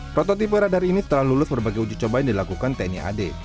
prototipe radar ini setelah lulus berbagai uji coba yang dilakukan tni ad